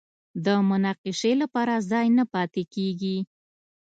د مناقشې لپاره ځای نه پاتې کېږي